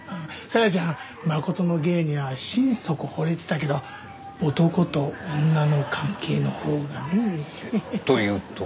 紗矢ちゃん真琴の芸には心底惚れてたけど男と女の関係のほうがね。というと？